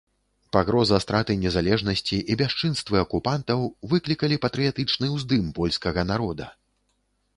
Пагроза страты незалежнасці і бясчынствы акупантаў выклікалі патрыятычны ўздым польскага народа.